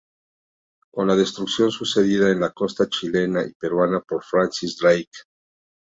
Con la destrucción sucedida en la costa chilena y peruana por Francis Drake.